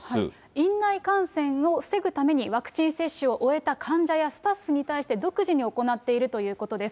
院内感染を防ぐために、ワクチン接種を終えた患者やスタッフに対して、独自に行っているということです。